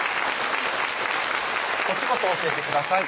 お仕事教えてください